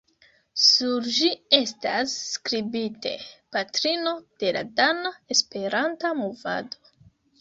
Sur ĝi estas skribite: "Patrino de la dana Esperanta movado".